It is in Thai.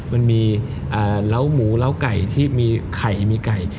มันมีเล้าหมูเล้าไก่ที่มีไข่มีไก่